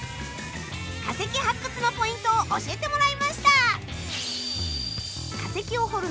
化石発掘のポイントを教えてもらいました！